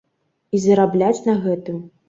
І зарабляць на гэтым.